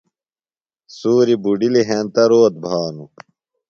سُوریۡ بُڈلِیۡ ہنتہ روت بھانوۡ۔